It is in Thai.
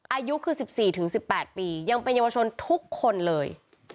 อายุคือ๑๔๑๘ปียังเป็นเยาวชนทุกคนเลย